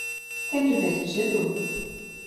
Que divertido?